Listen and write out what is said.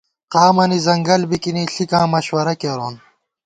قامَنی ځنگل بِکِنی ، ݪِکاں مشوَرہ کېرون